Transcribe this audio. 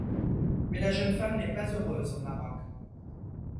Mais la jeune femme n'est pas heureuse au Maroc.